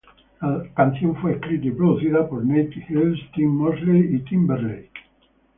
La canción fue escrita y producida por Nate Hills, Tim Mosley y Timberlake.